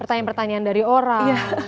pertanyaan pertanyaan dari orang